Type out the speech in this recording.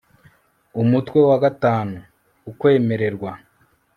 Umutwe wa IV UKWEMERERWA